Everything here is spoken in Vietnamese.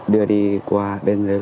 đưa đi qua bên dưới luôn